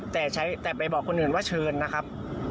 แต่ไปบอกคนอื่นว่าเชิญนะครับ